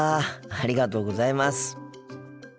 ありがとうございます。